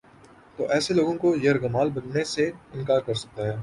تو ایسے لوگوں کا یرغمال بننے سے انکار کر سکتا ہے۔